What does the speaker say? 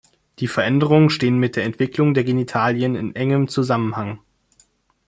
Die Veränderungen stehen mit der Entwicklung der Genitalien in engem Zusammenhang.